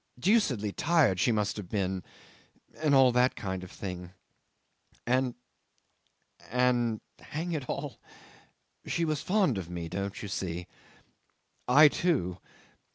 Deucedly tired she must have been and all that kind of thing. And and hang it all she was fond of me, don't you see. ... I too